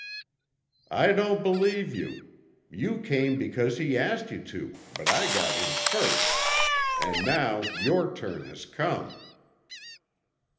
"'I don't believe you. You came because he asked you to, but I got him first. And now your turn has come.'